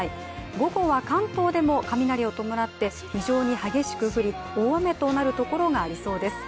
午後は関東でも雷を伴って非常に激しく降る大雨となるところがありそうです。